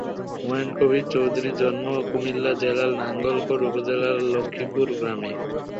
হুমায়ুন কবীর চৌধুরীর জন্ম কুমিল্লা জেলার নাঙ্গলকোট উপজেলার লক্ষ্মীপুর গ্রামে।